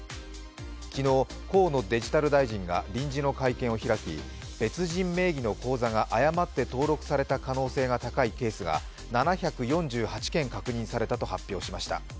昨日、河野デジタル大臣が臨時の会見を開き別人名義の口座が誤って登録されたケースが７４８件確認されたと発表しました。